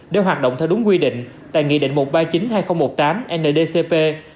đều hoạt động theo đúng quy định tại nghị định một trăm ba mươi chín hai nghìn một mươi tám ndcp